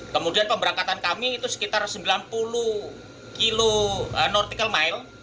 kemudian pemberangkatan kami itu sekitar sembilan puluh kilo nautical mile